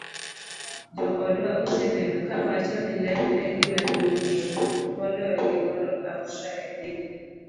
Joodwa osebedo kawacho ni ler e gima duong'ie moloyo gimoro amora e pinyni.